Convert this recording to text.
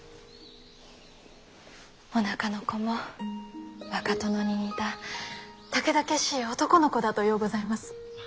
おなかの子も若殿に似たたけだけしい男の子だとようございます。